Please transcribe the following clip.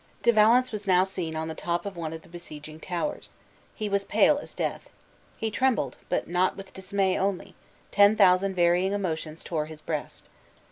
De Valence was now seen on the top of one of the besieging towers. He was pale as death. He trembled, but not with dismay only; ten thousand varying emotions tore his breast.